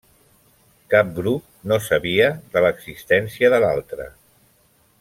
Cap grup no sabia de l'existència de l'altre.